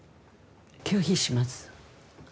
拒否します。